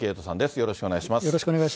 よろしくお願いします。